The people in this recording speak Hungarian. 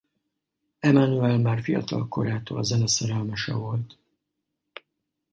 Emmanuel már fiatal korától a zene szerelmese volt.